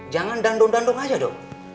jangan dandung dandung aja dong